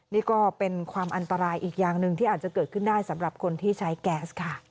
นี่ก็เป็นความอันตรายอีกอย่างหนึ่งที่อาจจะเกิดขึ้นได้สำหรับคนที่ใช้แก๊สค่ะ